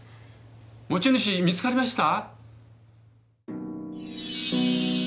持ち主見つかりました？